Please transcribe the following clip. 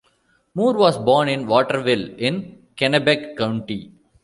Moor was born in Waterville in Kennebec County.